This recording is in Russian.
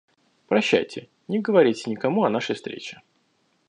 Прощайте, не говорите никому о нашей встрече.